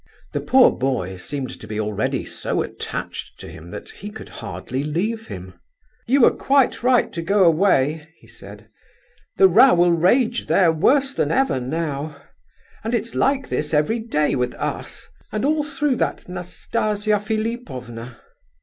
The poor boy seemed to be already so attached to him that he could hardly leave him. "You were quite right to go away!" he said. "The row will rage there worse than ever now; and it's like this every day with us—and all through that Nastasia Philipovna."